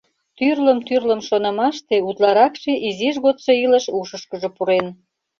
Тӱрлым-тӱрлым шонымаште утларакше изиж годсо илыш ушышкыжо пурен...